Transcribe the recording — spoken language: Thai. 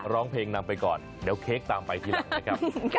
ร้องเพลงนำไปก่อนเดี๋ยวเค้กตามไปทีหลังนะครับ